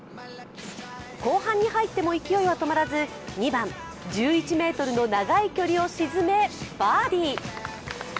後半に入っても勢いは止まらず、２番、１１ｍの長い距離を沈め、バーディー。